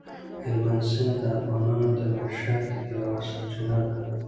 هلمند سیند د افغانانو د معیشت یوه سرچینه ده.